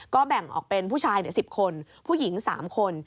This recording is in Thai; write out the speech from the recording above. ก็แบ่งออกเป็นผู้ชาย๑๐คนผู้หญิง๓คน